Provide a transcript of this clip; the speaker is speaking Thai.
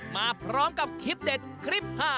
มาพร้อมกับคลิปเด็ดคลิป๕